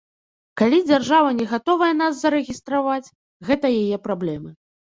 Калі дзяржава не гатовая нас зарэгістраваць, гэта яе праблемы.